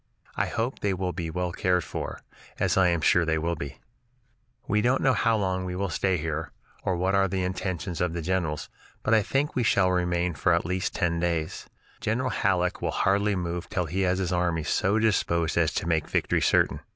I hope they will be well cared for, as I am sure they will be. "We don't know how long we will stay here, or what are the intentions of the generals; but I think we shall remain for at least ten days. General Halleck will hardly move till he has his army so disposed as to make victory certain.